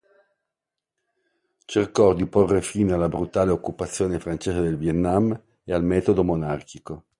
Cercò di porre fine alla brutale occupazione francese del Vietnam e al metodo monarchico.